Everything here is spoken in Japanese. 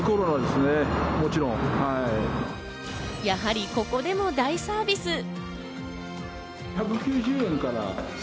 やはりここでも大サービス。